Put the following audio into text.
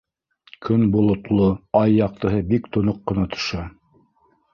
Көн болотло, ай яҡтыһы бик тоноҡ ҡына төшә.